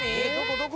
どこ？